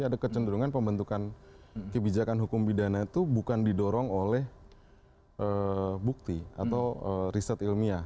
ada kecenderungan pembentukan kebijakan hukum pidana itu bukan didorong oleh bukti atau riset ilmiah